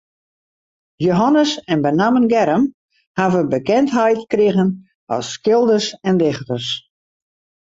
Jehannes en benammen Germ hawwe bekendheid krigen as skilders en dichters.